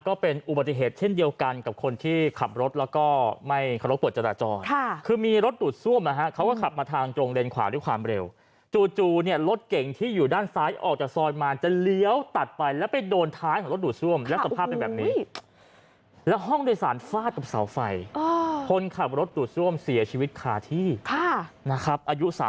ก็เป็นอุบัติเหตุเช่นเดียวกันกับคนที่ขับรถแล้วก็ไม่เคารพกฎจราจรค่ะคือมีรถดูดซ่วมนะฮะเขาก็ขับมาทางตรงเลนขวาด้วยความเร็วจู่เนี่ยรถเก่งที่อยู่ด้านซ้ายออกจากซอยมาจะเลี้ยวตัดไปแล้วไปโดนท้ายของรถดูดซ่วมและสภาพเป็นแบบนี้แล้วห้องโดยสารฟาดกับเสาไฟคนขับรถดูดซ่วมเสียชีวิตคาที่นะครับอายุ๓